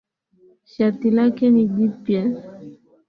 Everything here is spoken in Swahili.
Shati lake ni jipya